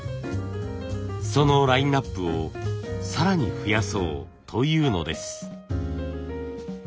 そのラインナップを更に増やそうというのです。